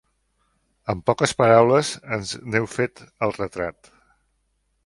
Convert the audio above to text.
Amb poques paraules ens n'heu fet el retrat.